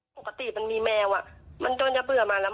ปกติมันมีแมวอ่ะมันโดนจะเบื่อมาแล้ว